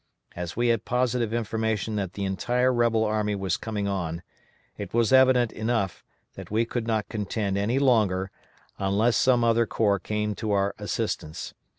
As we had positive information that the entire rebel army was coming on, it was evident enough that we could not contend any longer, unless some other corps came to our assistance.